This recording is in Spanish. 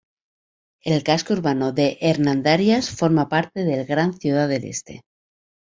El casco urbano de Hernandarias forma parte del Gran Ciudad del Este.